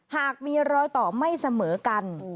หากมีรอยต่อไม่เสมอกัน